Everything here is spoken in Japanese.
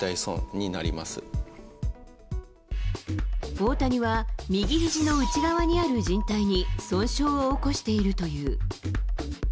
大谷は右肘の内側にあるじん帯に損傷を起こしているという。